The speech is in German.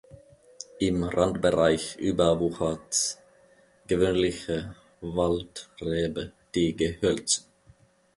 Im Randbereich überwuchert Gewöhnliche Waldrebe die Gehölze.